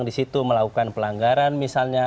di situ melakukan pelanggaran misalnya